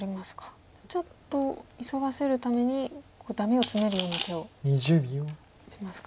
ちょっと急がせるためにダメをツメるような手を打ちますか？